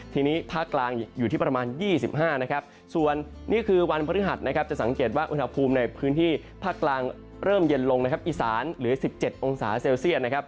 ทีนี้ภาคกลางอยู่ที่ประมาณ๒๕ส่วนนี่คือวันพฤหัสจะสังเกตว่าอุทธภูมิในพื้นที่ภาคกลางเริ่มเย็นลงอิสานหรือ๑๗องศาเซลเซียน